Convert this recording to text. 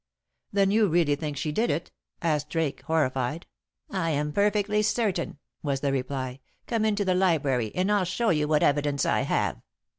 "Then you really think she did it?" asked Drake, horrified. "I am perfectly certain," was the reply. "Come into the library, and I'll show you what evidence I have."